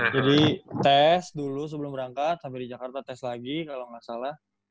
jadi tes dulu sebelum berangkat sampai di jakarta tes lagi kalo nggak salah